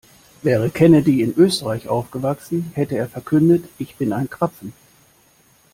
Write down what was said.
Wäre Kennedy in Österreich aufgewachsen, hätte er verkündet: Ich bin ein Krapfen!